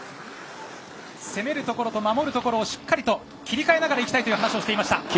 攻めるところと守るところをしっかりと切り替えながら行きたいという話をしていました。